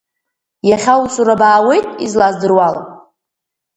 Иахьа усура баауеит, излаздыруала?